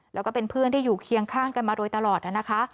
แล้วก็เป็นเพื่อนที่อยู่เคียงข้างกันมาโดยตลอดนะคะ